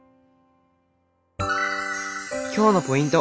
今日のポイント！